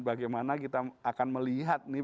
bagaimana kita akan melihat nih